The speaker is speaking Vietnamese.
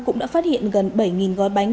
cũng đã phát hiện gần bảy gói bánh